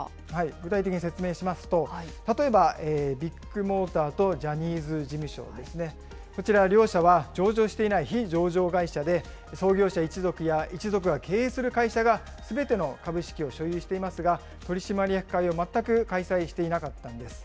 具体的に説明しますと、例えば、ビッグモーターとジャニーズ事務所ですね、こちら両社は上場していない非上場会社で、創業者一族や一族が経営する会社がすべての株式を所有していますが、取締役会を全く開催していなかったんです。